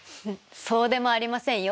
そうでもありませんよ。